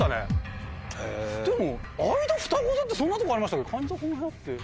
でも間ふたご座ってそんなとこありましたっけ？